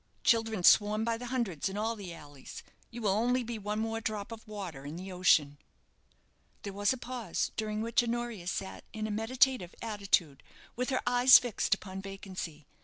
'Children swarm by hundreds in all the alleys; you will only be one more drop of water in the ocean.'" There was a pause, during which Honoria sat in a meditative attitude, with her eyes fixed upon vacancy.